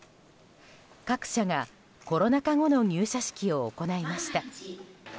各社がコロナ禍後の入社式を行いました。